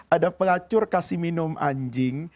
ada pelacur kasih minum anjing